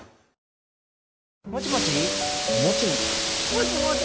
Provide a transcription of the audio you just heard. もちもち